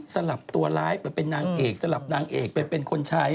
สลับตัวร้ายไปเป็นนางเอกสลับนางเอกไปเป็นคนใช้